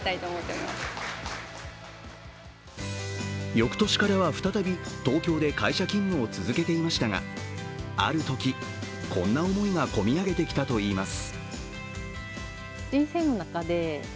翌年からは再び東京で会社勤務を続けていましたがあるとき、こんな思いがこみ上げてきたといいます。